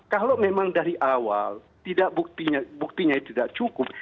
kalau memang dari awal tidak buktinya tidak cukup